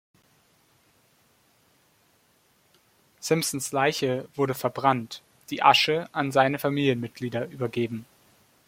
Simpsons Leiche wurde verbrannt, die Asche an seine Familienmitglieder übergeben.